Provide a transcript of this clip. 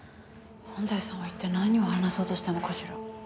安西さんは一体何を話そうとしたのかしら？